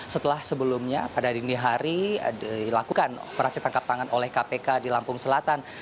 setelah sebelumnya pada dini hari dilakukan operasi tangkap tangan oleh kpk di lampung selatan